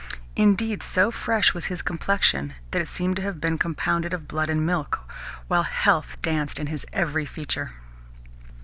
Indeed, so fresh was his complexion that it seemed to have been compounded of blood and milk, while health danced in his every feature.